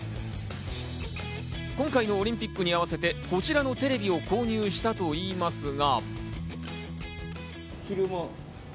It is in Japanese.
今回のオリンピックに合わせて、こちらのテレビを購入したといいますが。